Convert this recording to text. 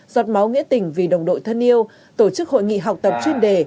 giọt máu nghĩa tình vì đồng đội thân yêu tổ chức hội nghị học tập chuyên đề